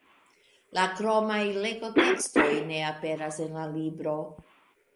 La kromaj legotekstoj ne aperas en la libro.